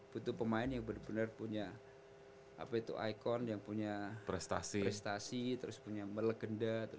butuh pemain yang benar benar punya apa itu ikon yang punya prestasi terus punya legenda